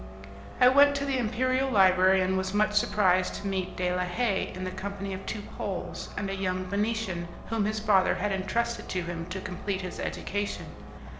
'" I went to the Imperial Library, and was much surprised to meet De la Haye in the company of two Poles, and a young Venetian whom his father had entrusted to him to complete his education.